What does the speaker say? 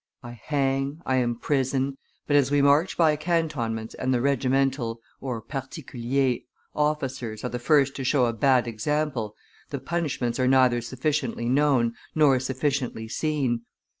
I hang, I imprison; but, as we march by cantonments and the regimental (particuliers) officers are the first to show a bad example, the punishments are neither sufficiently known nor sufficiently seen.